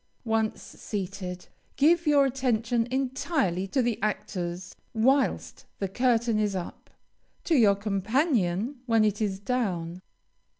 Once seated, give your attention entirely to the actors whilst the curtain is up to your companion when it is down.